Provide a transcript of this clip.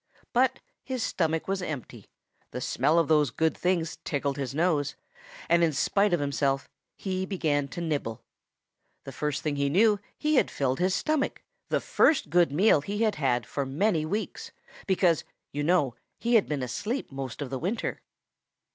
But his stomach was empty, the smell of those good things tickled his nose, and in spite of himself he began to nibble. The first thing he knew he had filled his stomach, the first good meal he had had for many weeks, because, you know, he had been asleep most of the winter.